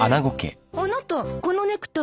あなたこのネクタイ。